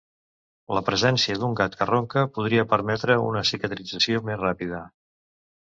La presència d'un gat que ronca podria permetre una cicatrització més ràpida.